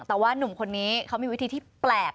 แต่ว่านุ่มคนนี้เขามีวิธีที่แปลก